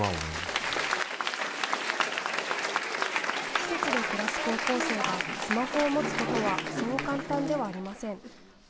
施設で暮らす高校生がスマホを持つことはそう簡単ではありません。